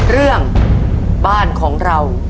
เรื่องบ้านของเรา